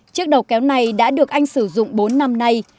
chiếc đầu kéo này đã được anh sử dụng bốn năm nay